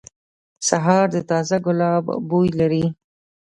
سهار د تازه ګلاب بوی لري.